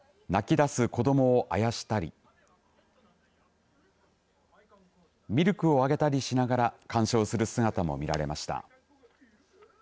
出す子どもをあやしたりミルクをあげたりしながら鑑賞する姿も見られました。